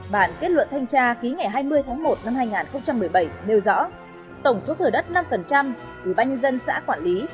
bản kết luận thanh tra ký ngày hai mươi tháng một năm hai nghìn một mươi bảy nêu rõ tổng số thừa đất năm của ủy ban nhân dân xã quản lý